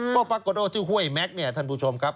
ก็ปรากฏว่าที่ห้วยแม็กซ์เนี่ยท่านผู้ชมครับ